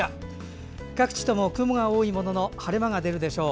各地とも雲が多いものの晴れ間が出るでしょう。